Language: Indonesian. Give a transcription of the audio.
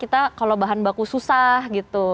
kita kalau bahan baku susah gitu